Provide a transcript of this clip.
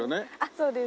そうです。